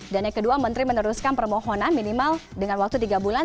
dan yang kedua menteri meneruskan permohonan minimal dengan waktu tiga bulan